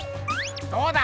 どうだ！